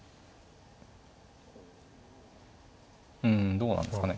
うんどうなんですかね。